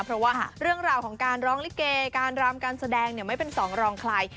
เพราะว่าเรื่องราวของการร้องลิเกการรำการแสดงไม่เป็นสองรองใคร